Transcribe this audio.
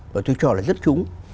và tôi cho là rất trúng